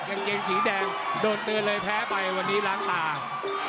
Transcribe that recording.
กางเกงสีแดงโดนเตือนเลยแพ้ไปวันนี้ล้างตา